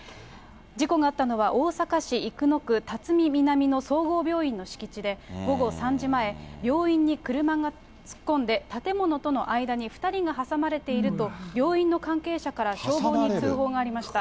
事故があったのは、大阪市生野区たつみみなみの総合病院の敷地で、午後３時前、病院に車が突っ込んで、建物との間に２人が挟まれていると、病院の関係者から消防に通報がありました。